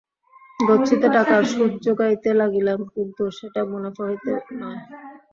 গচ্ছিত টাকার সুদ জোগাইতে লাগিলাম, কিন্তু সেটা মুনাফা হইতে নয়।